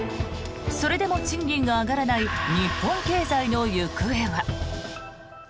それでも賃金が上がらない日本経済の行方は。